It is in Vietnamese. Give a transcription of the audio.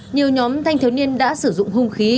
nhiều nhóm thanh thiếu niên đã sử dụng hung khí